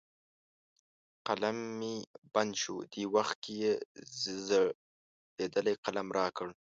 قلم مې بند شو، دې وخت کې یې زړېدلی قلم را کړ.